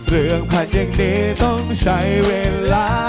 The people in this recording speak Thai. เรื่องพันอย่างนี้ต้องใช่เวลา